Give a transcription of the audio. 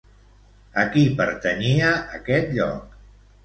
A qui pertanyia aquest lloc?